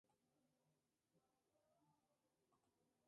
Seguido de Amílcar Rivera en segundo lugar Jimmy Morales en tercero.